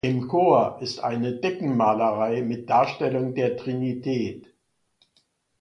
Im Chor ist eine Deckenmalerei mit Darstellung der Trinität.